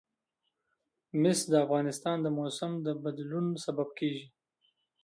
مس د افغانستان د موسم د بدلون سبب کېږي.